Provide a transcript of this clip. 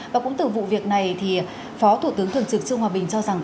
và cũng từ vụ việc này thì phó thủ tướng thường trực trương hòa bình cho rằng